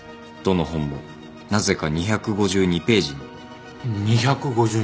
どの本もなぜか２５２ページに。